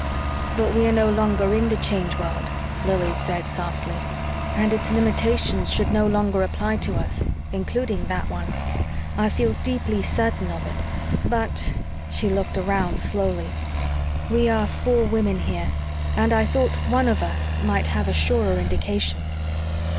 "But we are no longer in the Change World," Lili said softly, "and its limitations should no longer apply to us, including that one. I feel deeply certain of it, but " she looked around slowly "we are four women here and I thought one of us might have a surer indication."